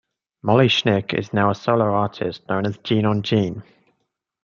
Molly Schnick is now a solo artist known as Jean on Jean.